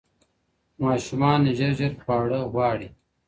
ماشومان ژر ژر خواړه غواړي